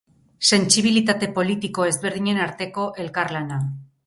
Sentsibilitate politiko ezberdinen arteko elkarlana.